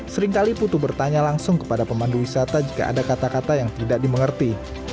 seringkali putu bertanya langsung kepada pemandu wisata jika ada kata kata yang tidak dimengerti